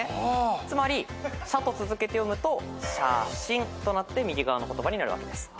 つまり「しゃ」と続けて読むと「しゃしん」となって右側の言葉になるわけです。